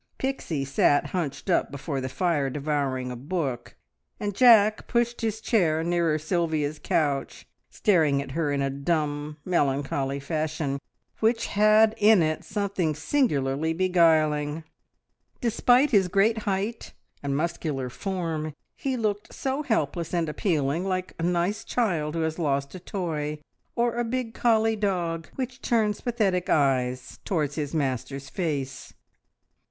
Pixie sat hunched up before the fire devouring a book, and Jack pushed his chair nearer Sylvia's couch, staring at her in a dumb, melancholy fashion which had in it something singularly beguiling. Despite his great height and muscular form, he looked so helpless and appealing, like a nice child who has lost a toy, or a big collie dog which turns pathetic eyes towards his master's face.